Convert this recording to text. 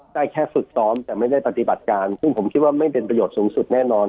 ได้แค่ฝึกซ้อมแต่ไม่ได้ปฏิบัติการซึ่งผมคิดว่าไม่เป็นประโยชน์สูงสุดแน่นอน